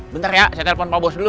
bentar ya saya telepon pak bos dulu